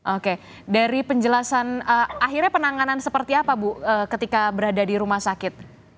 oke dari penjelasan akhirnya penanganan seperti apa bu ketika berada di rumah sakit